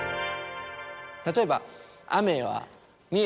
例えば。